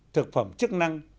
thực phẩm chức năng